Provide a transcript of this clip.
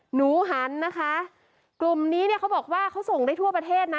หนูหันนะคะกลุ่มนี้เนี่ยเขาบอกว่าเขาส่งได้ทั่วประเทศนะ